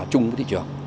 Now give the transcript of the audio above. và chung với thị trường